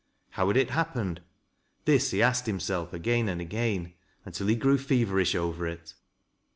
How had it happened 1 This he asked himself again and again, until he grew teverish over it.